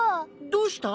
どうした？